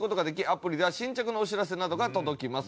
アプリでは新着のお知らせなどが届きます。